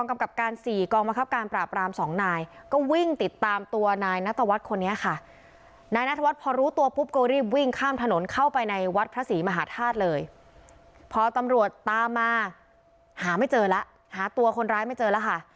มาหาไม่เจอแล้วหาตัวคนร้ายไม่เจอแล้วค่ะ